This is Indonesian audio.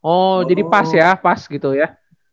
oh jadi pas ya pas gitu ya